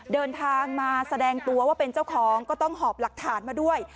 เดินทางมาแสดงตัวว่าเป็นเจ้าของก็ต้องหอบหลักฐานมาด้วย